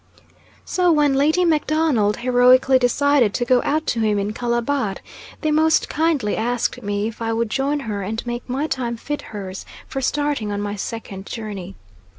So when Lady MacDonald heroically decided to go out to him in Calabar, they most kindly asked me if I would join her, and make my time fit hers for starting on my second journey.